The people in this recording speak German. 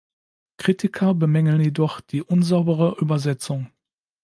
Kritiker bemängeln jedoch die unsaubere Übersetzung.